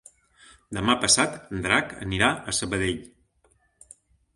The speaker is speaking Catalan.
Demà passat en Drac anirà a Sabadell.